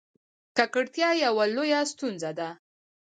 ککړتیا یوه لویه ستونزه ده.